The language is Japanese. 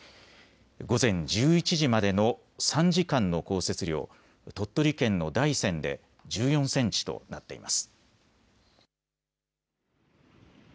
午前１１時までの３時間の降雪量、鳥取県の大山で１４センチとなっています。